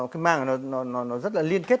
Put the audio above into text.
cái màng này nó rất là liên kết